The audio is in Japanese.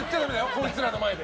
こいつらの前で。